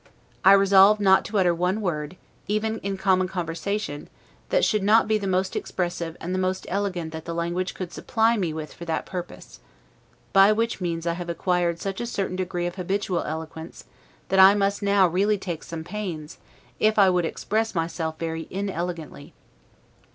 I resolved not to utter one word, even in common conversation, that should not be the most expressive and the most elegant that the language could supply me with for that purpose; by which means I have acquired such a certain degree of habitual eloquence, that I must now really take some pains, if, I would express myself very inelegantly.